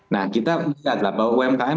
nah kita lihat lah bahwa umkm